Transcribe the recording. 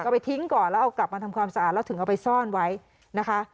ไปทิ้งก่อนแล้วเอากลับมาทำความสะอาดแล้วถึงเอาไปซ่อนไว้นะคะ